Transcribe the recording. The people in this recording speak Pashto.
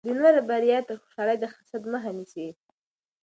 د نورو بریا ته خوشحالي د حسد مخه نیسي.